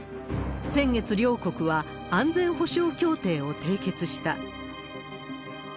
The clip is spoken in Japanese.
先月、両国は安全保障協定を締結した。